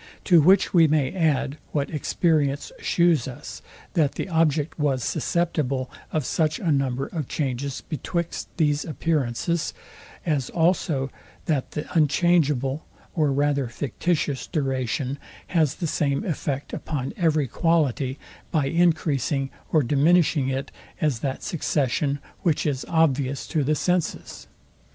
To which we may add, what experience shews us, that the object was susceptible of such a number of changes betwixt these appearances; as also that the unchangeable or rather fictitious duration has the same effect upon every quality, by encreasing or diminishing it, as that succession, which is obvious to the senses.